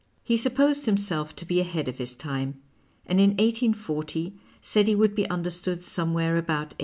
He supposed himself to be ahead of his time, and in 1840 said he would be understood somewhere about 1880.